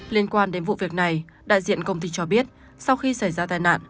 liên quan đến vụ việc này đại diện công ty cho biết sau khi xảy ra tai nạn